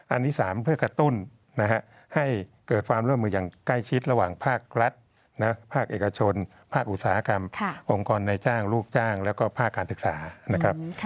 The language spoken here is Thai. อันนี้๓เพื่อกระตุ้นให้เกิดความร่วมมืออย่างใกล้ชิดระหว่างภาครัฐภาคเอกชนภาคอุตสาหกรรมองค์กรในจ้างลูกจ้างแล้วก็ภาคการศึกษานะครับ